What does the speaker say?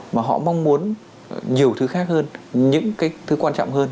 mà họ mong muốn nhiều thứ khác hơn những cái thứ quan trọng hơn